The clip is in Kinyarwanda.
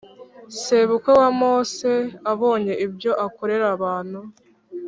Sebukwe wa Mose abonye ibyo akorera abantu